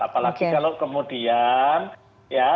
apalagi kalau kemudian ya